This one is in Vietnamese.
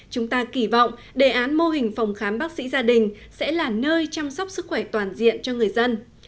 chúng ta kỳ vọng đề án mô hình phòng khám bác sĩ gia đình sẽ là nơi chăm sóc sức khỏe toàn diện cho người dân